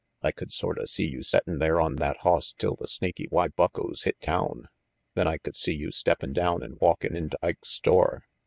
I could sorta see you settin' there on that hoss till the Snaky Y buckos hit town, then I could see you steppin' down and walkin' into Ike's store.